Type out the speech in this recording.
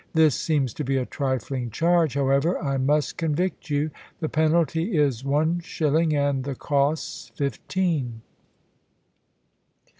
This seems to be a trifling charge however, I must convict you. The penalty is one shilling, and the costs fifteen."